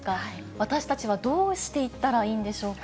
私たちはどうしていったらいいんでしょうか？